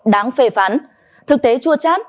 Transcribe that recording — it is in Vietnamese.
đáng phê phán thực tế chua chát